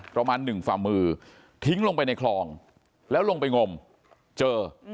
ประมาณหนึ่งฝ่ามือทิ้งลงไปในคลองแล้วลงไปงมเจอ